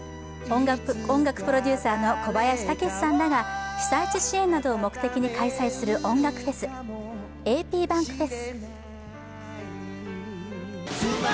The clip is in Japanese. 音楽プロデューサーの小林武史さんらが被災地支援などを目的に開催する音楽フェス、ａｐｂａｎｋＦｅｓ。